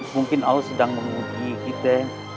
mungkin allah sedang menguji kita